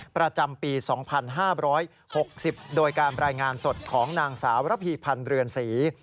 ประจำปี๒๕๖๐โดยการรายงานสดของนางสาวระพีพันธ์เรือนศรี